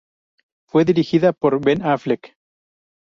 Fue dirigida por Ben Affleck.